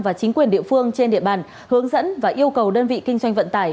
và chính quyền địa phương trên địa bàn hướng dẫn và yêu cầu đơn vị kinh doanh vận tải